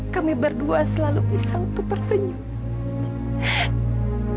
kami berdua selalu bisa untuk tersenyum